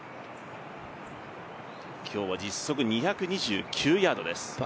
今日は実測２２９ヤードです。